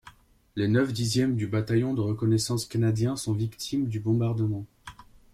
Les neuf dixièmes du bataillon de reconnaissance canadien sont victimes du bombardement.